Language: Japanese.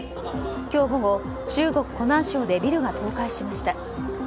今日午後、中国・湖南省でビルが倒壊しました。